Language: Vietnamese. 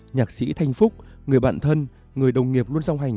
nhạc sĩ thanh phúc người bạn thân người đồng nghiệp luôn song hành